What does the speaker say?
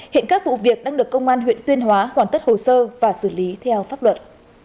hiện các vụ việc đang được công an huyện tuyên hóa hoàn tất hồ sơ và xử lý theo pháp luật